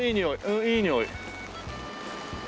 うんいいにおい。